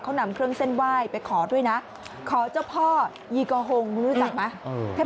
เขานำเครื่องเส้นไหว้ไปขอด้วยนะขอเจ้าพ่อยีกอฮงคุณรู้จักไหม